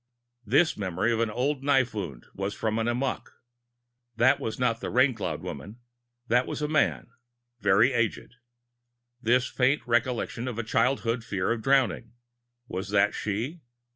This memory of an old knife wound from an Amok that was not the Raincloud woman; it was a man, very aged. This faint recollection of a childhood fear of drowning was that she?